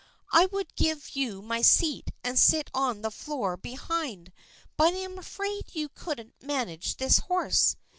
I would give you my seat and sit on the floor behind but I am afraid you couldn't manage this horse.